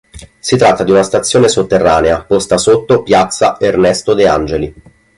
Si tratta di una stazione sotterranea, posta sotto piazza Ernesto De Angeli.